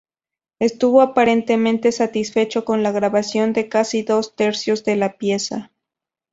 Estuvo aparentemente satisfecho con la grabación de casi dos tercios de la pieza.